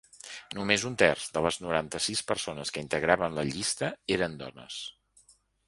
Només un terç de les noranta-sis persones que integraven la llista eren dones.